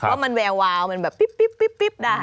เพราะว่ามันแววมันแบบปิ๊บได้